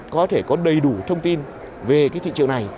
có thể có đầy đủ thông tin về cái thị trường này